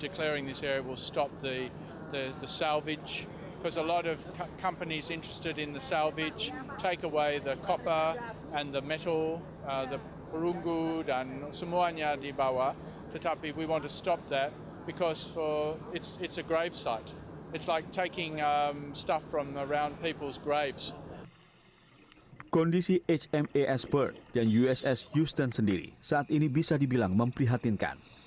kondisi hmas bird dan uss houston sendiri saat ini bisa dibilang memprihatinkan